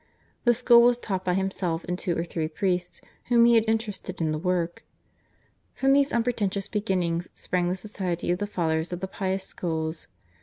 The school was taught by himself and two or three priests whom he had interested in the work. From these unpretentious beginnings sprang the society of the Fathers of the Pious Schools.